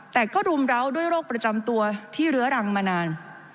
แต่ก็รุมร้าวด้วยโรคประจำตัวที่เรื้อรังมานาน